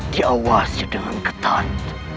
dia was itu ketat